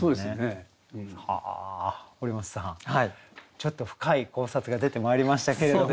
ちょっと深い考察が出てまいりましたけれども。